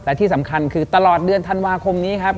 และที่สำคัญคือตลอดเดือนธันวาคมนี้ครับ